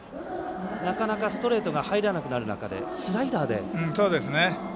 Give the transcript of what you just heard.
なかなか、ストレートが入らなくなる中でスライダーで。